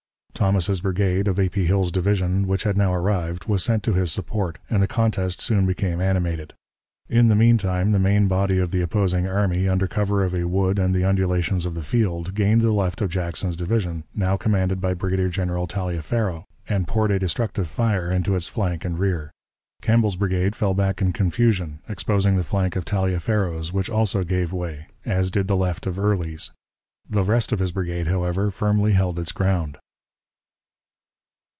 Thomas's brigade, of A. P. Hill's division, which had now arrived, was sent to his support, and the contest soon became animated. In the mean time the main body of the opposing army, under cover of a wood and the undulations of the field, gained the left of Jackson's division, now commanded by Brigadier General Taliaferro, and poured a destructive fire into its flank and rear. Campbell's brigade fell back in confusion, exposing the flank of Taliaferro's, which also gave way, as did the left of Early's. The rest of his brigade, however, firmly held its ground.